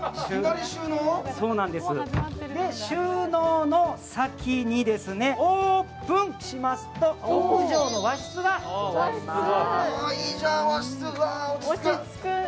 収納の先にですね、オープンしますと６畳の和室がございます。